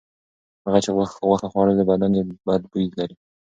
هغه چې غوښه خوړلې بدن یې بد بوی لري.